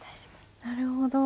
なるほど。